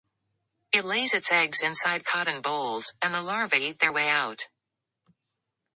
It lays its eggs inside cotton bolls, and the larvae eat their way out.